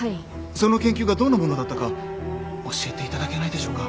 その研究がどんなものだったか教えていただけないでしょうか？